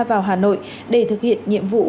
vào hà nội để thực hiện nhiệm vụ